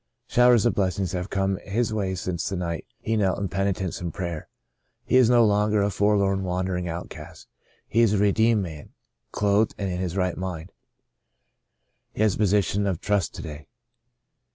Showers of blessings have come his way since the night he knelt in penitence and prayer. He is no longer a forlorn, wandering outcast. He is a redeemed man — clothed and in his right mind. He has a position of trust to day.